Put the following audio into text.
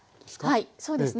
はいそうですね。